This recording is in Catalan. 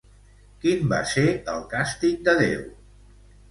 Quin va ser el càstig de Déu?